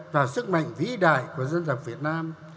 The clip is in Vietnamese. và sức mạnh vĩ đại của dân tộc việt nam